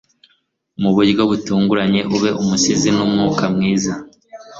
mu buryo butunguranye ube umusizi n'umwuka mwiza